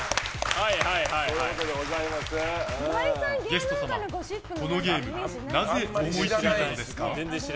ゲスト様、このゲームなぜ思いついたのですか？